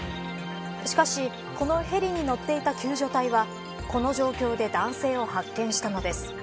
しかし、このヘリに乗っていた救助隊はこの状況で男性を発見したのです。